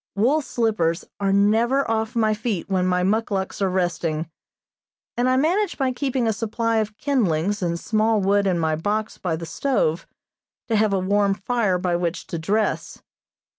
Wool slippers are never off my feet when my muckluks are resting, and I manage by keeping a supply of kindlings and small wood in my box by the stove, to have a warm fire by which to dress.